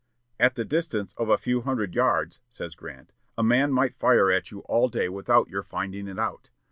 "At the distance of a few hundred yards," says Grant, "a man might fire at you all day without your finding it out."